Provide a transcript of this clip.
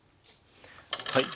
はい。